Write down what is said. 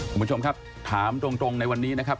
คุณผู้ชมครับถามตรงในวันนี้นะครับ